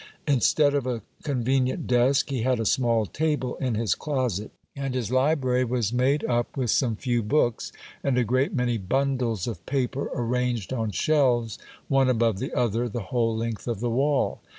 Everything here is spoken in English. Instead of a convenient desk, he had a small table in his closet ; and his library was made up with some few books, and a great many bundles of paper arranged on shelves one above the other the whole length of the wall.